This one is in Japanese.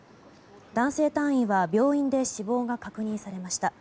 男性隊員は病院で死亡が確認されました。